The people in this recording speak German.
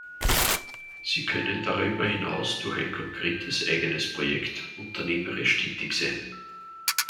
Sie können darüber hinaus durch ein konkretes eigenes Projekt unternehmerisch tätig sein.